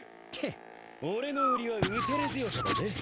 んっ俺の売りはう打たれ強さだぜ。